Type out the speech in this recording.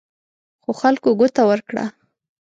خو خلکو ګوته ورکړه.